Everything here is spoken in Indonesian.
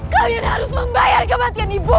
kalian harus membayar kematian ibu